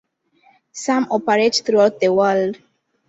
Some operate throughout the world.